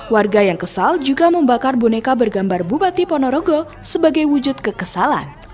warga yang kesal juga membakar boneka bergambar bupati ponorogo sebagai wujud kekesalan